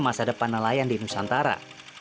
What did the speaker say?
masa depan nelayan di nusantara